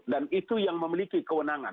dan itu yang memiliki kewenangan